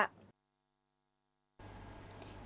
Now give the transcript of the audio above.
tiếp theo chương trình